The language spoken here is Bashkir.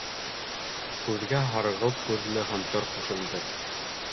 Һүҙгә һарғылт күҙле һонтор ҡушылды: